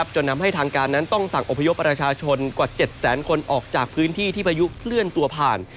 จนทำให้ทางการนั้นต้องสั่งอพยพประชาชนกว่า๗แสนคนออกจากพื้นที่ที่พายุเคลื่อนตัวผ่าน